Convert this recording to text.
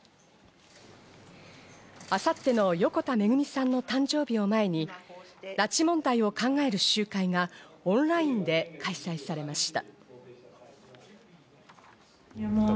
明後日の横田めぐみさんの誕生日を前に拉致問題を考える集会がオンラインで開催されました。